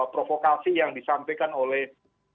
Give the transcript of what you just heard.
provokasi yang disampaikan oleh